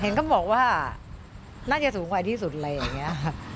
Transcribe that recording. เห็นก็บอกว่าน่าจะสูงไหวที่สุดเลยอย่างเงี้ย